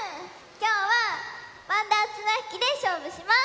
きょうは「わんだーつなひき」でしょうぶします！